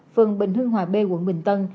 phường bình hương hòa b quận bình tân